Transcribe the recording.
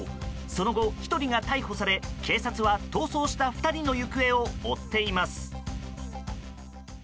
その後、１人が逮捕され警察は逃走した２人の行方を追っています。